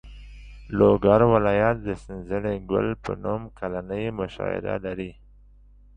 لوګر ولایت د سنځلې ګل په نوم کلنۍ مشاعره لري.